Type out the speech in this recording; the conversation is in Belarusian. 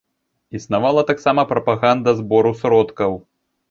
Існавала таксама прапаганда збору сродкаў.